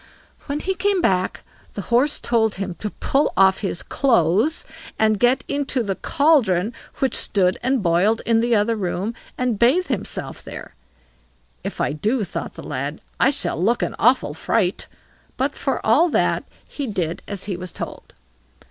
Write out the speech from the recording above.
When he came back, the Horse told him to pull off his clothes and get into the cauldron which stood and boiled in the other room, and bathe himself there. "If I do", thought the lad, "I shall look an awful fright"; but for all that, he did as he was told.